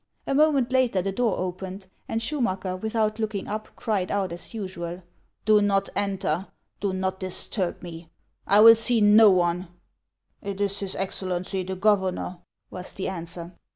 A moment later the door opened, and Schumacker, without looking up, cried out as usual :" Do not enter ! do not disturb me ! I will see no one !"'; It is his Excellency the governor," was the answer.